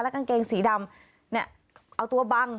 กางเกงสีดำเนี่ยเอาตัวบัง